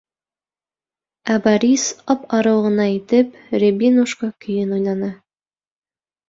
Ә Борис ап-арыу ғына итеп «Рябинушка» көйөн уйнаны.